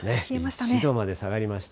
１度まで下がりました。